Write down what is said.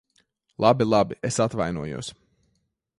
Labi, labi. Es atvainojos.